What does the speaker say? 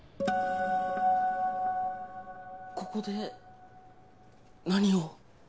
ここで何を？